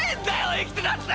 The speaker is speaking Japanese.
生きてたって！！